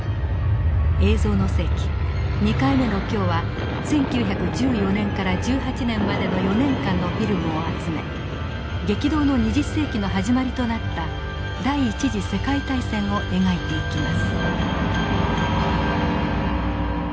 「映像の世紀」２回目の今日は１９１４年から１８年までの４年間のフィルムを集め激動の２０世紀の始まりとなった第一次世界大戦を描いていきます。